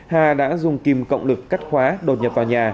hà đã dùng kim cộng lực cắt khóa đột nhập vào nhà